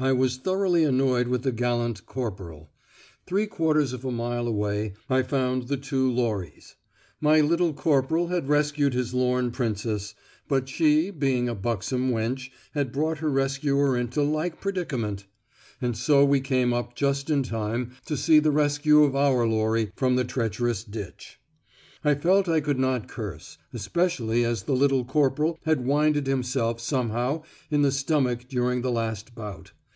I was thoroughly annoyed with the gallant corporal. Three quarters of a mile away I found the two lorries. My little corporal had rescued his lorn princess, but she, being a buxom wench, had brought her rescuer into like predicament! And so we came up just in time to see the rescue of our lorry from the treacherous ditch! I felt I could not curse, especially as the little corporal had winded himself somehow in the stomach during the last bout.